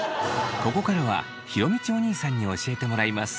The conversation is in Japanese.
ここからは弘道おにいさんに教えてもらいます。